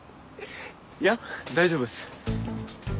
いや大丈夫っす。